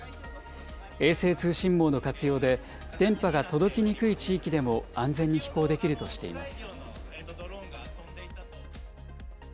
衛星通信網の活用で、電波が届きにくい地域でも安全に飛行できるとしています。